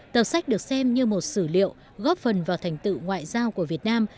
tờ sách được xem như một sử liệu góp phần vào thành tựu ngoại giao của việt nam